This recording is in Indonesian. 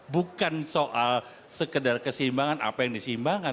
bukan soal sekedar kesimbangan apa yang disimbangkan